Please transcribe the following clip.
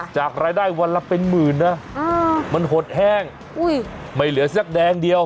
จากรายได้วันละเป็นหมื่นนะมันหดแห้งไม่เหลือสักแดงเดียว